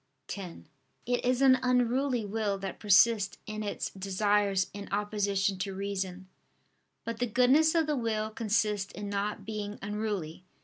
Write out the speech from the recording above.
x): "It is an unruly will that persists in its desires in opposition to reason." But the goodness of the will consists in not being unruly.